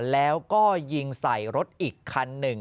แล้วก็ยิงใส่รถอีกคันหนึ่ง